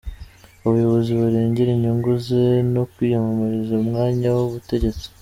abayobozi barengera inyungu ze no kwiyamamariza umwanya w’ubutegetsi